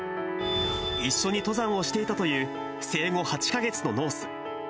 一緒に登山をしていたという、生後８か月のノース。